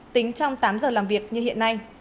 tính trong tám giờ làm việc như hiện nay